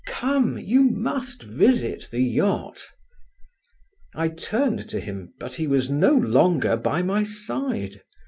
Come; you must visit the yacht." I turned to him, but he was no longer by my side.